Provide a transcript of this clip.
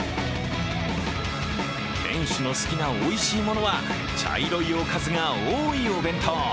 店主の好きなおいしいものは、茶色いおかずが多いお弁当。